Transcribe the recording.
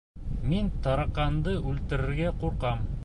Мин тараҡанды үлтерергә ҡурҡам!